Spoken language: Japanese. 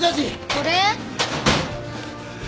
これ？